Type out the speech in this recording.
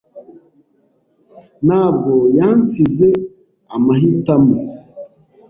ntabwo yansize amahitamo.